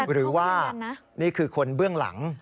หรือว่านี่คือคนเบื้องหลัง